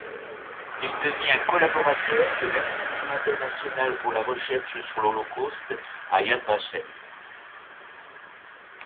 Il devient collaborateur de l'Institut international pour la recherche sur l'Holocauste à Yad Vashem.